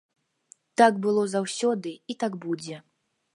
Так было заўсёды і так будзе.